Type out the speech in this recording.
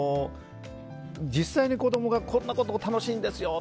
実際に子供がこんなこと楽しいんですよって